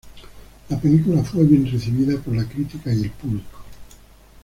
La película fue bien recibida por la crítica y el público.